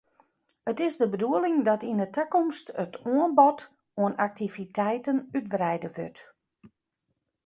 It is de bedoeling dat yn 'e takomst it oanbod oan aktiviteiten útwreide wurdt.